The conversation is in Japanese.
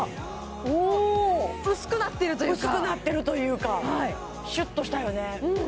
おお薄くなってるというか薄くなってるというかシュッとしたよね